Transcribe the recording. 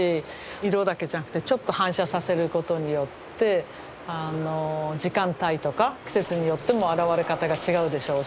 色だけじゃなくてちょっと反射させることによって時間帯とか季節によっても現れ方が違うでしょうし